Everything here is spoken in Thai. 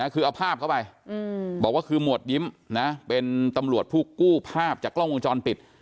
คือเอาภาพเข้าไปบอกว่าคือหมวดยิ้มนะเป็นตำรวจผู้กู้ภาพจากกล้องวงจรปิด